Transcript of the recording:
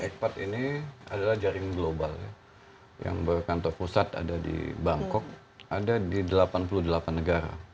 ekpat ini adalah jaring global ya yang berkantor pusat ada di bangkok ada di delapan puluh delapan negara